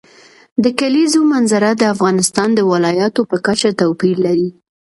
د کلیزو منظره د افغانستان د ولایاتو په کچه توپیر لري.